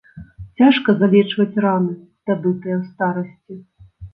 Цяжка залечваць раны, здабытыя ў старасці.